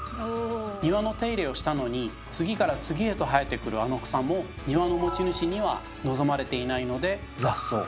庭の手入れをしたのに次から次へと生えてくるあの草も庭の持ち主には望まれていないので雑草。